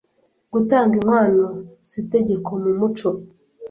gutanga inkwano sitegeko mumuco ,